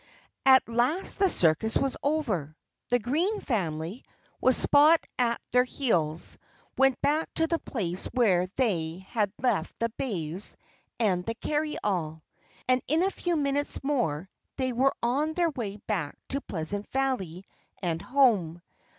At last the circus was over. The Green family, with Spot at their heels, went back to the place where they had left the bays and the carryall. And in a few minutes more they were on their way back to Pleasant Valley and home.